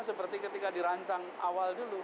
seperti ketika dirancang awal dulu